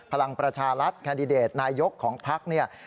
พลังประชารัฐแคนดิเดตนายยกของภักรณ์